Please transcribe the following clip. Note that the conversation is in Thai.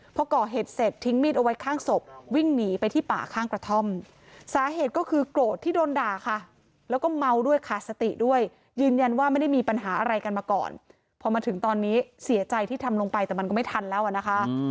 แล้วก็เอามีดที่ถืออยู่ฟันเข้าไปที่คอผู้ตายครั้งหนึ่ง